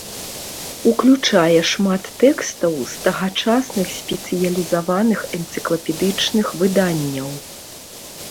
Уключае шмат тэкстаў з тагачасных спецыялізаваных энцыклапедычных выданняў.